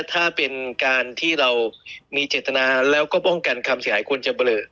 ถ้าเป็นการที่เรามีเจตนาแล้วก็ป้องกันความเสียหายควรจะเบลอ